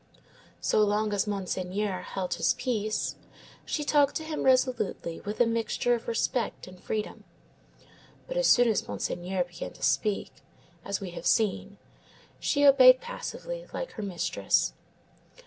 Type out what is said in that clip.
So long as Monseigneur held his peace, she talked to him resolutely with a mixture of respect and freedom; but as soon as Monseigneur began to speak, as we have seen, she obeyed passively like her mistress.